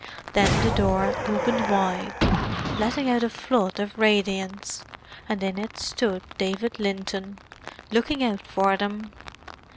Then the door opened wide, letting out a flood of radiance; and in it stood David Linton, looking out for them.